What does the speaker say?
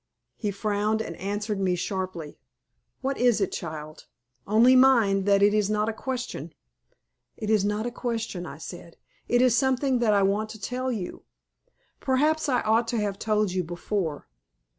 He frowned, and answered me sharply. "What is it, child? Only mind that it is not a question." "It is not a question." I said. "It is something that I want to tell you. Perhaps I ought to have told you before.